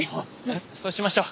そうしましょう。